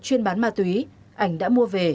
chuyên bán ma túy ảnh đã mua về